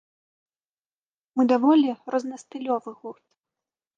Мы даволі рознастылёвы гурт.